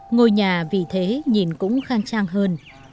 ngôi nhà vì thế nhìn cũng khang trang hơn